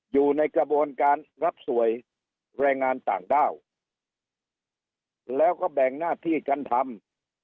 อยู่ในกระบวนการรับสวยแรงงานต่างด้าวแล้วก็แบ่งหน้าที่กันทำ